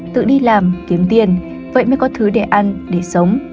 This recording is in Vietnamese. tự đi làm kiếm tiền vậy mới có thứ để ăn để sống